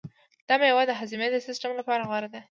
دا مېوه د هاضمې د سیستم لپاره غوره ده.